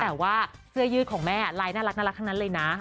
แต่ว่าเสื้อยืดของแม่ลายน่ารักทั้งนั้นเลยนะ